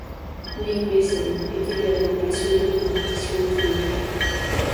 Nick Mason est également passionné de compétition automobile.